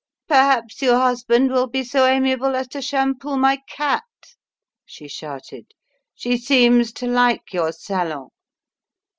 "Perhaps your husband will be so amiable as to shampoo my cat!" she shouted. "She seems to like your 'Salon'!"